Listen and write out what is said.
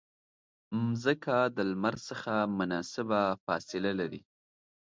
مځکه د لمر څخه مناسبه فاصله لري.